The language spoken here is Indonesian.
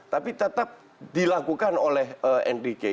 tapi tetap dilakukan oleh enrique